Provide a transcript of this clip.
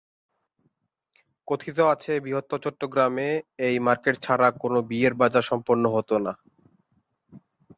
কথিত আছে বৃহত্তর চট্টগ্রামে এই মার্কেট ছাড়া কোন বিয়ের বাজার সম্পন্ন হতো না।